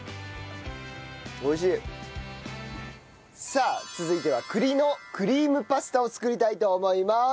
さあ続いては栗のクリームパスタを作りたいと思います。